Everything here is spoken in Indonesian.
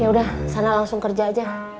yaudah sana langsung kerja aja